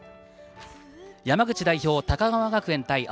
山口代表・高川学園対